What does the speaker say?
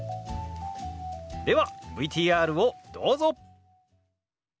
ではＶＴＲをどうぞ！